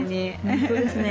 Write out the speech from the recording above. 本当ですね。